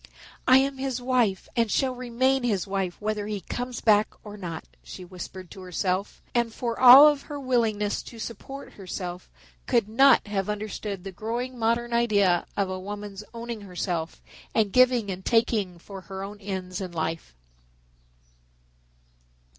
"I am his wife and shall remain his wife whether he comes back or not," she whispered to herself, and for all of her willingness to support herself could not have understood the growing modern idea of a woman's owning herself and giving and taking for her own ends in life.